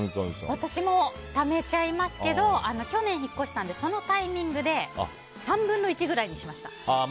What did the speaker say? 私もためちゃいますけど去年、引っ越したんでそのタイミングで３分の１くらいにしました。